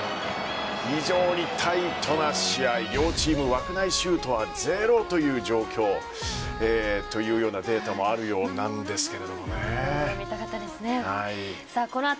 非常にタイトな試合両チーム、枠内シュートはゼロという状況というようなデータもあるようなんですが。